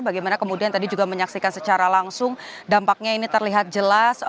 bagaimana kemudian tadi juga menyaksikan secara langsung dampaknya ini terlihat jelas